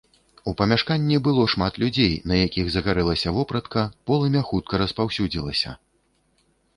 У памяшканні было шмат людзей, на якіх загарэлася вопратка, полымя хутка распаўсюдзілася.